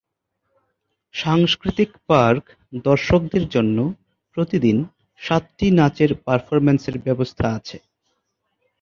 সাংস্কৃতিক পার্ক দর্শকদের জন্য প্রতিদিন সাতটি নাচের পারফরম্যান্সের ব্যবস্থা আছে।